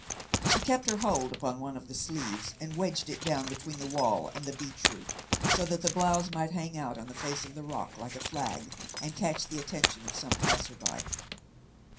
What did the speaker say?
She kept her hold upon one of the sleeves, and wedged it down between the wall and the beech root, so that the blouse might hang out on the face of the rock like a flag and catch the attention of some passer by.